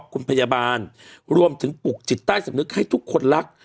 คุณพยาบาลรวมถึงปลุกจิตใต้สำนึกให้ทุกคนรัก